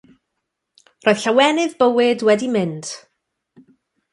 Roedd llawenydd bywyd wedi mynd.